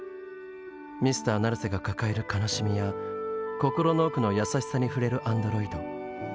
Ｍｒ．ナルセが抱える悲しみや心の奥の優しさに触れるアンドロイド。